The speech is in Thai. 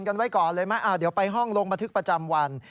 กันไว้ก่อนเลยไหมเดี๋ยวไปห้องลงบันทึกประจำวัน